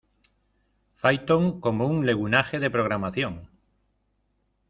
Python como un legunaje de programación.